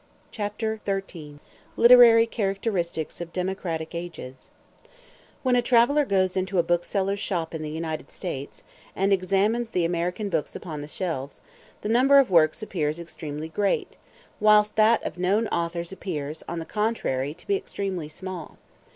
Chapter XIII: Literary Characteristics Of Democratic Ages When a traveller goes into a bookseller's shop in the United States, and examines the American books upon the shelves, the number of works appears extremely great; whilst that of known authors appears, on the contrary, to be extremely small.